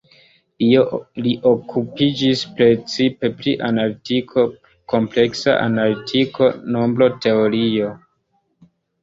Li okupiĝis precipe pri analitiko, kompleksa analitiko, nombroteorio.